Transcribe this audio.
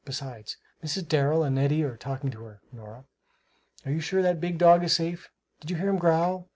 Besides, Mrs. Darrel and Eddy are talking to her, Nora. Are you sure that big dog is safe? Did you hear him growl?